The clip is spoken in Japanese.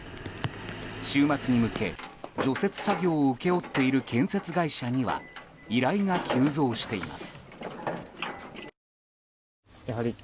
週末に向け、除雪作業を請け負っている建設会社には依頼が急増しています。